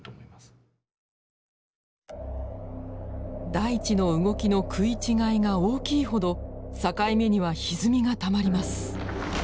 大地の動きの食い違いが大きいほど境目にはひずみがたまります。